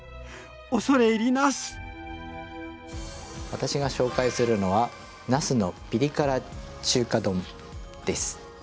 私が紹介するのは「なすのピリ辛中華丼」です。